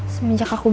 semenjak aku berubah